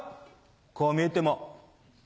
こう見えても。